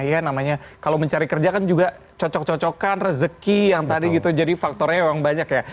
ya namanya kalau mencari kerja kan juga cocok cocokan rezeki yang tadi gitu jadi faktornya memang banyak ya